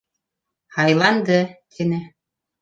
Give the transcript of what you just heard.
Һайланды! — тине.